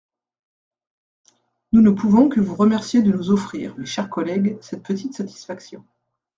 Nous ne pouvons que vous remercier de nous offrir, mes chers collègues, cette petite satisfaction.